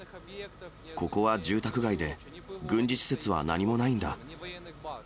ここは住宅街で、軍事施設は何もないんだ。